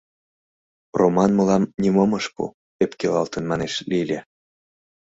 — Роман мылам нимом ыш пу, — ӧпкелалтын манеш Лиля.